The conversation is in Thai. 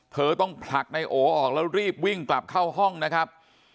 เธอต้องผลักนายโอออกแล้วรีบวิ่งกลับเข้าห้องนะครับ